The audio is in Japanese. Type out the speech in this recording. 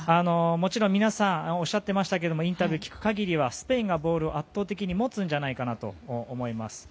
もちろん皆さんおっしゃっていましたがインタビューを聞く限りはスペインがボールを圧倒的に持つんじゃないかと思います。